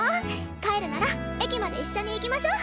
帰るなら駅まで一緒に行きましょう！